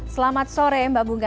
selamat sore mbak bunga